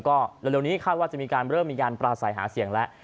ก็เร็วนี้คาดว่าจะมีการประสัยหาเสียงแล้ว